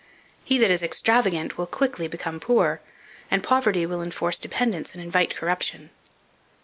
He that is extravagant will quickly become poor, and poverty will enforce dependence and invite corruption."